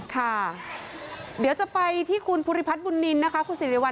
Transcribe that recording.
ค่ะเดี๋ยวจะไปที่คุณภูริพัฒนบุญนินนะคะคุณสิริวั